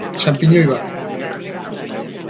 Txanpiñoi bat.